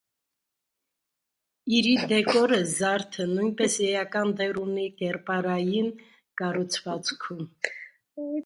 Իրի դեկորը (զարդը) նույնպես էական դեր ունի կերպարային կառուցվածքում։